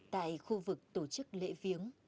tại khu vực tổ chức lễ viếng